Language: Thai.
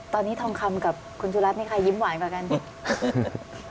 ตอนนี้ทองคำกับคุณสุรัตนมีใครยิ้มหวานกว่ากัน